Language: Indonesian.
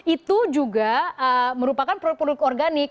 itu juga merupakan produk produk organik